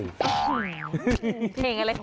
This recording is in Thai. เพลงอะไร